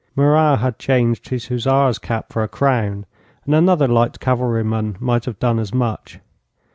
Murat had changed his hussar's cap for a crown, and another light cavalry man might have done as much.